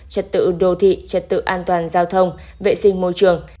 trật tự đô thị trật tự an toàn giao thông vệ sinh môi trường